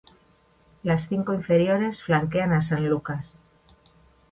Las cinco inferiores flanquean a San Lucas.